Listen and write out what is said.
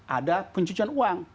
ada pencucian uang